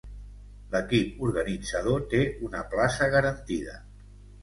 L'equip organitzador té una plaça garantida.